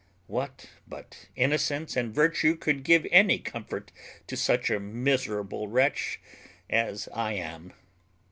What but innocence and virtue could give any comfort to such a miserable wretch as I am?